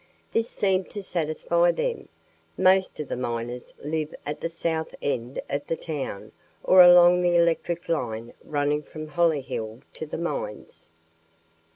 This seemed to satisfy them. Most of the miners live at the south end of the town or along the electric line running from Hollyhill to the mines."